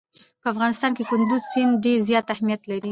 په افغانستان کې کندز سیند ډېر زیات اهمیت لري.